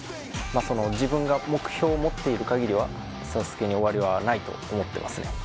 自分が目標を持っているかぎりはＳＡＳＵＫＥに終わりはないと思ってますね